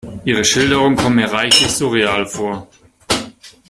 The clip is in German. Ihre Schilderungen kommen mir reichlich surreal vor.